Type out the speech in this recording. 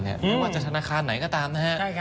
ไม่ว่าจะธนาคารไหนก็ตามนะฮะ